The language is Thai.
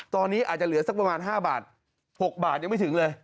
ตอนนี้อาจจะเหลือสักประมาณ๕บาท๖บาทยังไม่ถึงเลย